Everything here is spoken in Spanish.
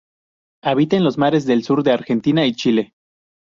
Habita en los mares del sur de Argentina y Chile.